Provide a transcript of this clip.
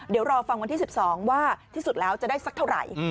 เดี๋ยวรอฟังวันที่๑๒ว่าที่สุดแล้วจะได้สักเท่าไหร่